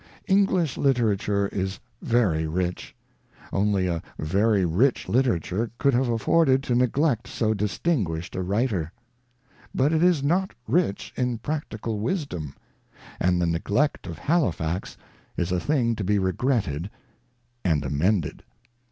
English litera ture is very rich ; only a very rich literature could have afforded to neglect so distinguished a writer. But it is not rich in practical wisdom ; and the neglect of Halifax is a thing to be regretted and amended.